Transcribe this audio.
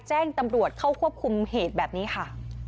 แจ้งตำรวจเข้าควบคุมเหตุแบบนี้ค่ะ